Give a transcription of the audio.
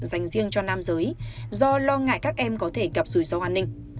dành riêng cho nam giới do lo ngại các em có thể gặp rủi ro an ninh